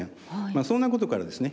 そんなことからですね